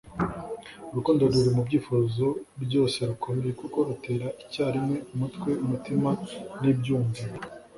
Urukundo ruri mu byifuzo byose rukomeye, kuko rutera icyarimwe umutwe, umutima n'ibyumviro.”